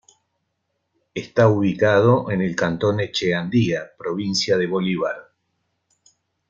Está ubicado en el cantón Echeandía, provincia de Bolívar.